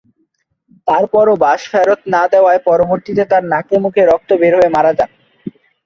তারপরও বাঁশ ফেরত না দেওয়ায় পরবর্তীতে তার নাকে মুখে রক্ত বের হয়ে মারা যান।